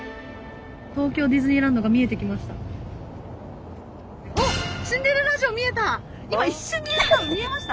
東京ディズニーランドが見えてきました。